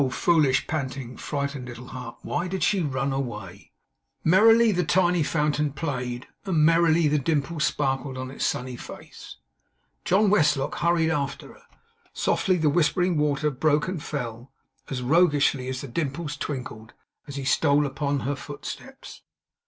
foolish, panting, frightened little heart, why did she run away! Merrily the tiny fountain played, and merrily the dimples sparkled on its sunny face. John Westlock hurried after her. Softly the whispering water broke and fell; as roguishly the dimples twinkled, as he stole upon her footsteps.